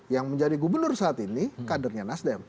yang menjadi gubernur saat ini kadernya nasdem